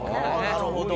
なるほど。